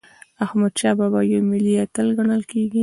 احمدشاه بابا یو ملي اتل ګڼل کېږي.